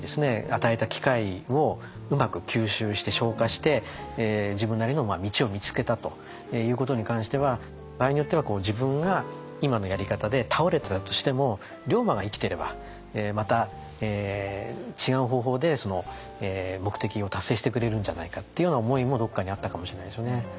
与えた機会をうまく吸収して消化して自分なりの道を見つけたということに関しては場合によっては自分が今のやり方で倒れたとしても龍馬が生きてればまた違う方法でその目的を達成してくれるんじゃないかっていうような思いもどっかにあったかもしれないですよね。